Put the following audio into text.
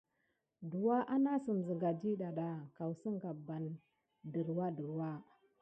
Douwa anasime siga ɗida bukun wakula siga mis gedaouraha.